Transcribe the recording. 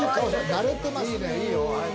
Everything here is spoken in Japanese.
慣れてますね。